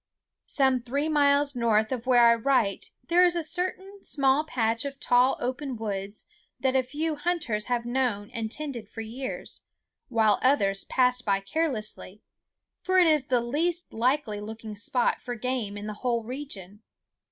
Some three miles north of where I write there is a certain small patch of tall open woods that a few hunters have known and tended for years, while others passed by carelessly, for it is the least likely looking spot for game in the whole region.